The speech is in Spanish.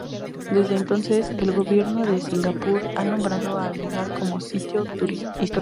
Desde entonces, el Gobierno de Singapur ha nombrado al lugar como "Sitio Histórico".